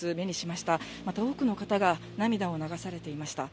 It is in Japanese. また多くの方が涙を流されていました。